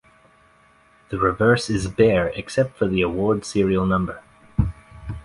The reverse is bare except for the award serial number.